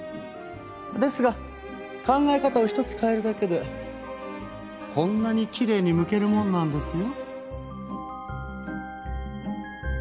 ですが考え方を一つ変えるだけでこんなにきれいにむけるものなんですよ。